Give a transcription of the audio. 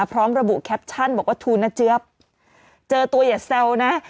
พร้อมระบุแคปชั่นบอกว่าทูลนะเจี๊ยบเจอตัวอย่าแซวนะ